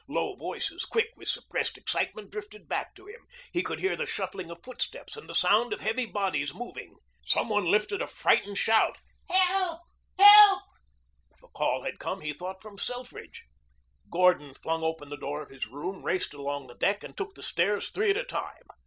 Low voices, quick with suppressed excitement, drifted back to him. He could hear the shuffling of footsteps and the sound of heavy bodies moving. Some one lifted a frightened shout. "Help! Help!" The call had come, he thought, from Selfridge. Gordon flung open the door of his room, raced along the deck, and took the stairs three at a time.